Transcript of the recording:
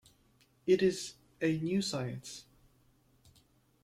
It is a new science.